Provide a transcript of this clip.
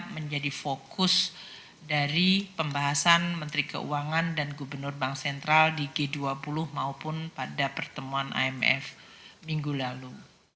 menjadi fokus dari pembahasan menteri keuangan dan gubernur bank sentral di g dua puluh maupun pada pertemuan imf minggu lalu